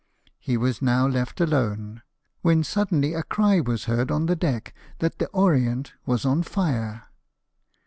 He was now left alone, when suddenly a cry was heard on the deck that the Orient was on fire.